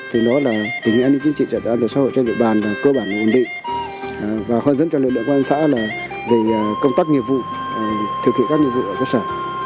từ đó là hướng dẫn cho lực lượng công an xã thực hiện các nhiệm vụ ở cơ sở